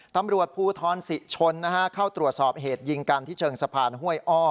ตำรวจภูทรศิชนเข้าตรวจสอบเหตุยิงกันที่เชิงสะพานห้วยอ้อ